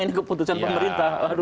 ini keputusan pemerintah